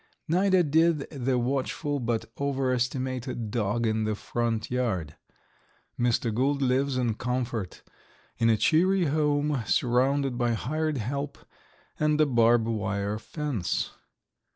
Neither did the watchful but overestimated dog in the front yard. Mr. Gould lives in comfort, in a cheery home, surrounded by hired help and a barbed wire fence.